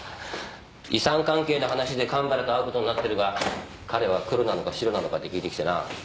「遺産関係の話で神原と会うことになってるが彼はクロなのかシロなのか？」って聞いてきてな。